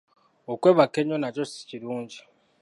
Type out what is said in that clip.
Okwebaka ennyo nakyo si kirungi.